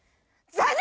残念！